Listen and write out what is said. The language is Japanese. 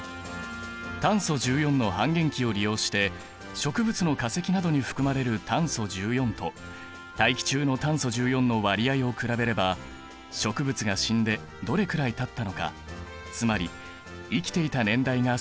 炭素１４の半減期を利用して植物の化石などに含まれる炭素１４と大気中の炭素１４の割合を比べれば植物が死んでどれくらいたったのかつまり生きていた年代が推定できる。